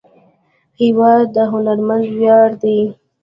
هېواد د هنرمند ویاړ دی.